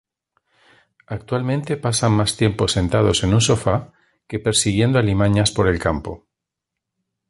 Actualmente pasan más tiempo sentados en un sofá que persiguiendo alimañas por el campo.